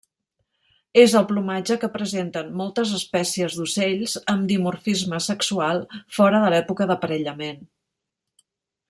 És el plomatge que presenten moltes espècies d'ocells amb dimorfisme sexual fora de l'època d'aparellament.